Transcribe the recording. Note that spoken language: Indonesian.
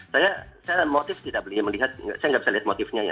saya motif tidak bisa lihat motifnya